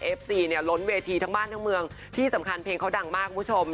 ซีเนี่ยล้นเวทีทั้งบ้านทั้งเมืองที่สำคัญเพลงเขาดังมากคุณผู้ชม